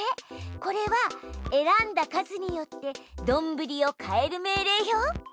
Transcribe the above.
これはえらんだ数によってどんぶりを変える命令よ。